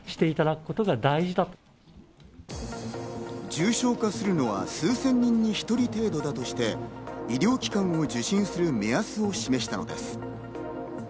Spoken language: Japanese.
重症化するのは数千人に１人程度だとして、医療機関を受診する目安を示したのです。